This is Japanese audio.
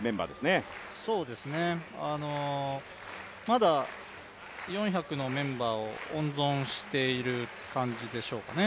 まだ４００のメンバーを温存している感じでしょうかね。